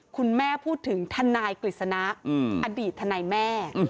คุณแม่พูดถึงทนายกฤษณะอดีตทนายแม่